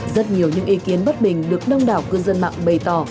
rất nhiều những ý kiến bất bình được đông đảo cư dân mạng bày tỏ